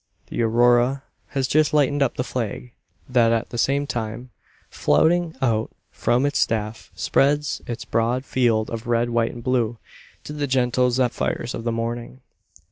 The Aurora has just lighted up the flag, that at the same time flouting out from its staff spreads its broad field of red, white, and blue to the gentle zephyrs of the morning.